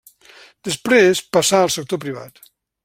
Després passà al sector privat.